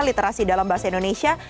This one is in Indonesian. literasi dalam bahasa indonesia